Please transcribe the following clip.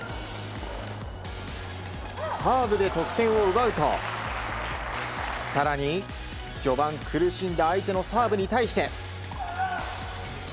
サーブで得点を奪うと更に、序盤苦しんだ相手のサーブに対して。